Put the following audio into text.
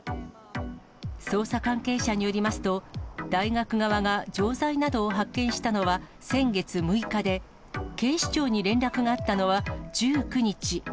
捜査関係者によりますと、大学側が錠剤などを発見したのは先月６日で、警視庁に連絡があったのは１９日。